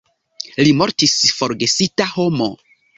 Li mortis forgesita homo.